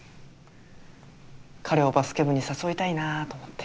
彼をバスケ部に誘いたいなと思って。